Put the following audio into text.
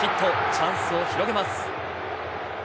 チャンスを広げます。